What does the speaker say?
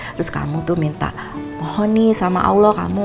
terus kamu tuh minta pohon nih sama allah kamu